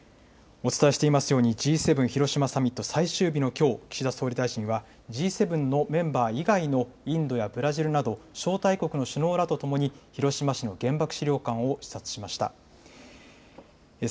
お伝えしていますようにＧ７広島サミット最終日のきょう、岸田総理大臣はＧ７のメンバー以外のインドやブラジルなど招待国の首脳らとともに広島市の原爆資料館を視察しました。